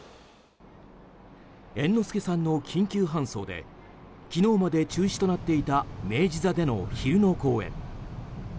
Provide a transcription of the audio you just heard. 猿之助さんの緊急搬送で昨日まで中止となっていた明治座での昼の公演。